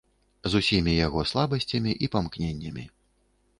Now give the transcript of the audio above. З усімі яго слабасцямі і памкненнямі.